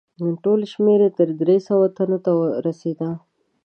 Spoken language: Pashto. ټوله شمیر یې تر درې سوه تنو ته رسیده.